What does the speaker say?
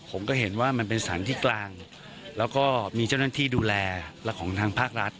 ผมก็เห็นว่ามันเป็นสารที่กลางแล้วก็มีเจ้าหน้าที่ดูแลและของทางภาครัฐ